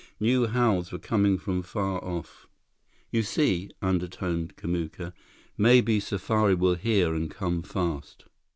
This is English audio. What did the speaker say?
New howls were coming from far off. "You see?" undertoned Kamuka. "Maybe safari will hear and come fast."